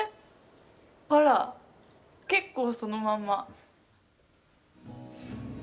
あら、結構そのまんま。